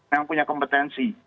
yang punya kompetensi